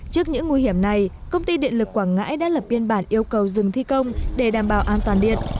trước những nguy hiểm này công ty điện lực quảng ngãi đã lập biên bản yêu cầu dừng thi công để đảm bảo an toàn điện